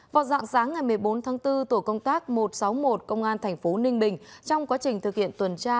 vào dạng sáng ngày một mươi bốn tháng bốn tổ công tác một trăm sáu mươi một công an tp ninh bình trong quá trình thực hiện tuần tra